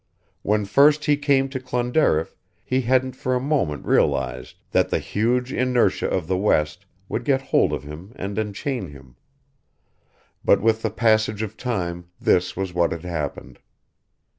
When first he came to Clonderriff he hadn't for a moment realised that the huge inertia of the west would get hold of him and enchain him; but with the passage of time this was what had happened.